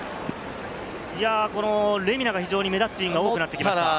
レミナが非常に目立つシーンが多くなってきました。